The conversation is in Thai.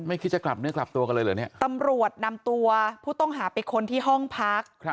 คิดจะกลับเนื้อกลับตัวกันเลยเหรอเนี่ยตำรวจนำตัวผู้ต้องหาไปค้นที่ห้องพัก